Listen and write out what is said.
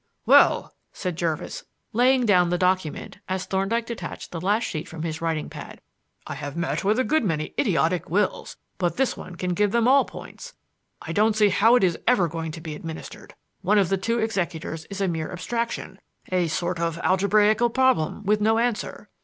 "Well," said Jervis, laying down the document as Thorndyke detached the last sheet from his writing pad, "I have met with a good many idiotic wills, but this one can give them all points. I don't see how it is ever going to be administered. One of the two executors is a mere abstraction a sort of algebraical problem with no answer."